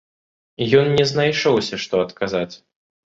Ён не знайшоўся што адказаць.